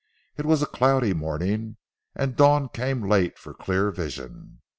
It was a cloudy morning and dawn came late for clear vision.